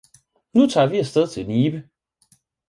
Nu tager vi afsted til Nibe